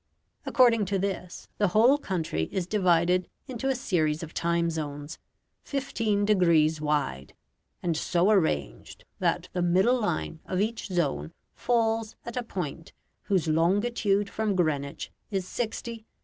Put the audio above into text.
According to this the whole country is divided into a series of time zones, fifteen degrees wide, and so arranged that the middle line of each zone falls at a point whose longitude from Greenwich is 60, 75, 90, 105, or 120 degrees.